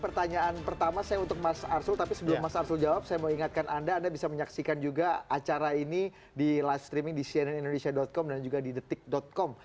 pertanyaan pertama saya untuk mas arsul tapi sebelum mas arsul jawab saya mau ingatkan anda anda bisa menyaksikan juga acara ini di live streaming di cnnindonesia com dan juga di detik com